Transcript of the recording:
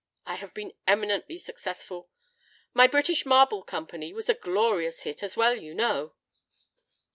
I have been eminently successful. My 'British Marble Company' was a glorious hit, as you well know."